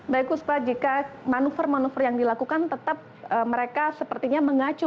baik puspa jika manuver manuver yang dilakukan tetap mereka sepertinya mengacu